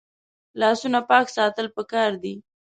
لاسونه پاک ساتل پکار دي